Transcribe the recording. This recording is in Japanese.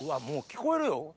もう聞こえるよ。